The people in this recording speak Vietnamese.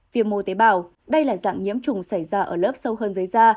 viêm mô tế bào đây là dạng nhiễm trùng xảy ra ở lớp sâu hơn dưới da